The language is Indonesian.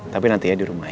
tapi nanti ya di rumah ya